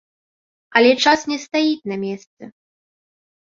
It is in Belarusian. Але час не стаіць на месцы.